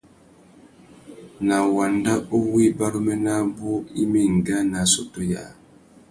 Na wanda uwú ibaruménô abú i mà enga nà assôtô yâā.